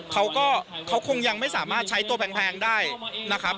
เขาก็เขาคงยังไม่สามารถใช้ตัวแพงได้นะครับ